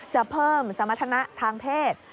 จะเพิ่มสมรรถนะทางเพศ